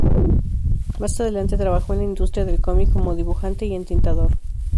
Más adelante trabajó en la industria del cómic como dibujante y entintador.